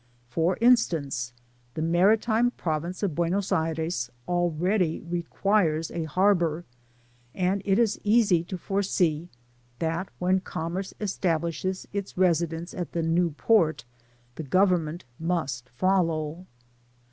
For iu •tancey the maritime province of Bu^os Jkben idready requires aharbour ; and it {s easy tg foresee that^ when commerce establishes its redd^ice at the ^Mw port, the govonmait must folbw.